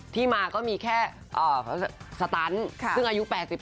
ที่มาก็มีแค่สตันซ์ซึ่งอายุ๘๐ปีคุณเอง